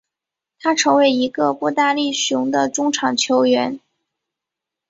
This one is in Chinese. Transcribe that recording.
他成为一个步大力雄的中场球员。